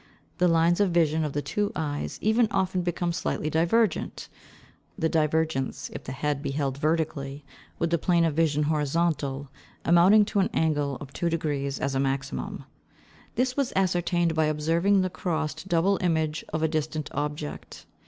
The lines of vision of the two eyes even often become slightly divergent; the divergence, if the head be held vertically, with the plane of vision horizontal, amounting to an angle of 2° as a maximum. This was ascertained by observing the crossed double image of a distant object.